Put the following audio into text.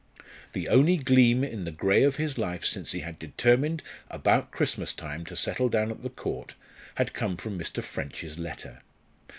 The only gleam in the grey of his life since he had determined about Christmas time to settle down at the Court had come from Mr. French's letter.